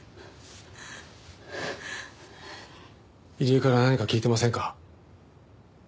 入江から何か聞いてませんか？